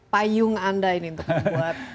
payung anda ini untuk membuat